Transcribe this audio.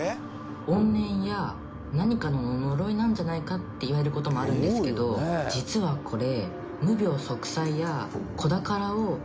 怨念や何かの呪いなんじゃないかっていわれる事もあるんですけど実はこれ。